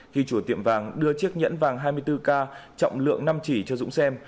khi chủ tiệm vàng đưa chiếc nhẫn vàng hai mươi bốn k trọng lượng năm chỉ cho dũng xem